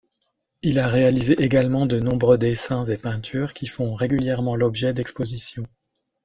Il a réalisé également de nombreux dessins et peintures qui font régulièrement l'objet d'expositions.